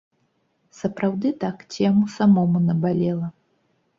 Сапраўды так, ці яму самому набалела?